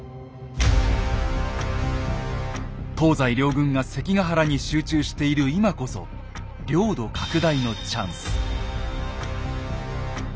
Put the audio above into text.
東西両軍が関ヶ原に集中している今こそ領土拡大のチャンス。